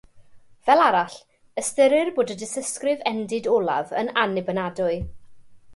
Fel arall, ystyrir bod y dystysgrif endid olaf yn annibynadwy.